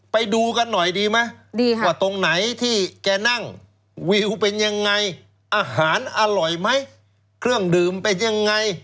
ไปดูกันหน่อยดีไหมว่าตรงไหนที่แกนั่งวิวเป็นยังไงอาหารอร่อยไหมเครื่องดื่มเป็นยังไง